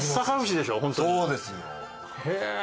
そうですよ。へえ。